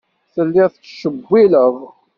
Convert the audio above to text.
Telliḍ tettcewwileḍ.